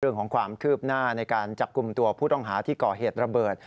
เรื่องของความคืบหน้าในการจับกลุ่มตัวผู้ต้องหาที่ก่อเหตุระเบิด